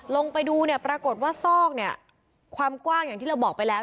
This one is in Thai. ลงไปดูเนี่ยปรากฏว่าซอกเนี่ยความกว้างอย่างที่เราบอกไปแล้ว